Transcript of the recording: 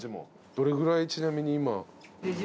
どれぐらいちなみに今。